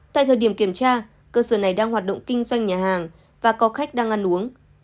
tại thời điểm kiểm tra cơ sở này đang hoạt động kinh doanh nhà hàng và có khách đang ăn uống